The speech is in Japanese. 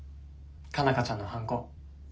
佳奈花ちゃんの反抗。